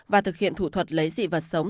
và thực hiện thủ thuật lấy dị vật sống